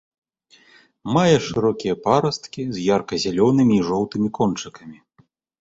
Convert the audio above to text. Мае шырокія парасткі з ярка-зялёнымі і жоўтымі кончыкамі.